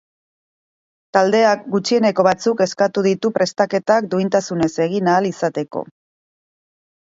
Taldeak, gutxieneko batzuk eskatu ditu prestaketak duintasunez egin ahal izateko.